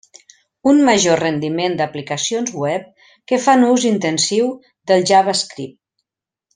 Un major rendiment d'aplicacions web que fan ús intensiu del JavaScript.